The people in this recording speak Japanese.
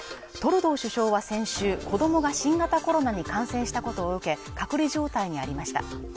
トルドー首相は先週子供が新型コロナに感染したことを受け隔離状態にありました